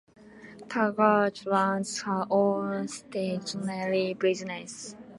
Taggart runs her own stationery business.